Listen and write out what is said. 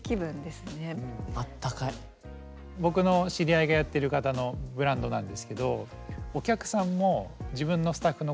僕の知り合いがやってる方のブランドなんですけどほう。